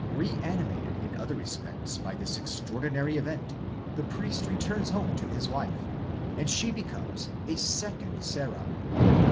® Re animated in other respects by the extraordinary event, the priest returns home to his wife, and she becomes a second Sarah.